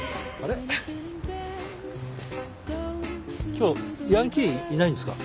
今日ヤンキーいないんですか？